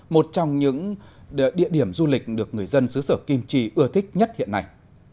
một trong những địa điểm du lịch được người dân xứ sở kim trì ưa thích nhất hiện nay